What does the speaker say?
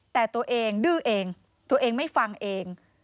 แต่ตัวเองดื้อเองตัวเองไม่ฟังเอง